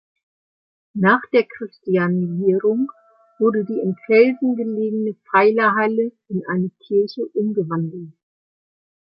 Nach der Christianisierung wurde die im Felsen gelegene Pfeilerhalle in eine Kirche umgewandelt.